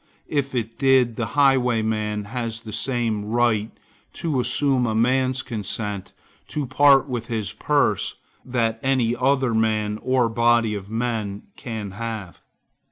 If it did, the highwayman has the same right to assume a man's consent to part with his purse, that any other man, or body of men, can have.